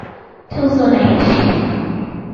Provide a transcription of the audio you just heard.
Tuzo na Heshima